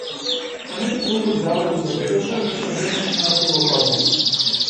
Ако некој толку далеку забегаше беше веднаш најстрого казнет.